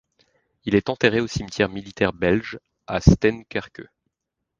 Il est enterré au cimetière militaire belge à Steenkerke.